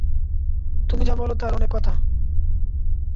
তুমি যা বল তার অনেক কথা।